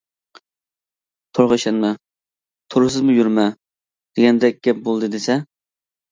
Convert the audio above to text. تورغا ئىشەنمە، تورسىزمۇ يۈرمە دېگەندەك گەپ بولدى دېسە.